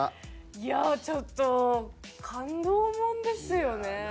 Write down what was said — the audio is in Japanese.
いやちょっと感動もんですよね。